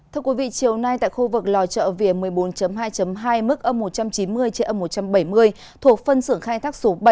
thưa quý vị chiều nay tại khu vực lò chợ vỉa một mươi bốn hai hai mức ấm một trăm chín mươi một trăm bảy mươi thuộc phân xưởng khai thác số bảy